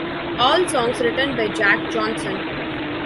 All songs written by Jack Johnson.